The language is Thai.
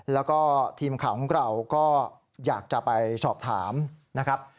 แล้วก็ทีมข่าวของเราก็อยากจะไปสอบถามนะครับ